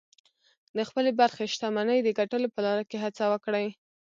د خپلې برخې شتمنۍ د ګټلو په لاره کې هڅه وکړئ